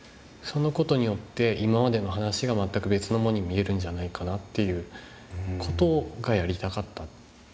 その事によって今までの話が全く別のものに見えるんじゃないかなっていう事がやりたかった。